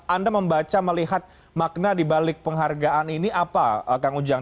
anda membaca melihat makna dibalik penghargaan ini apa kang ujang